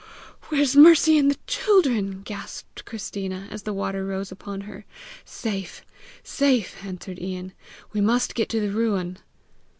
"Where's Mercy and the children?" gasped Christina, as the water rose upon her. "Safe, safe!" answered Ian. "We must get to the ruin!"